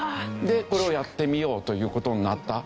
これをやってみようという事になったという事ですね。